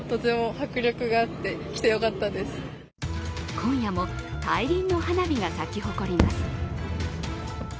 今夜も大輪の花火が咲き誇ります。